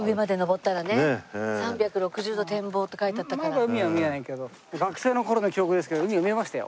まだ海は見えないけど学生の頃の記憶ですけど海が見えましたよ。